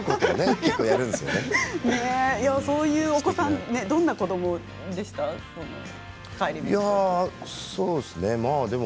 そういうお子さんどういう子どもですか。